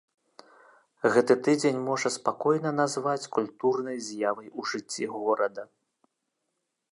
Гэты тыдзень можна спакойна назваць культурнай з'явай ў жыцці горада.